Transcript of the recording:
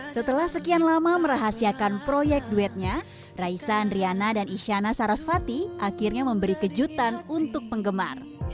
setelah sekian lama merahasiakan proyek duetnya raisa andriana dan isyana sarasvati akhirnya memberi kejutan untuk penggemar